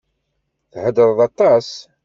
Theddṛeḍ aṭas.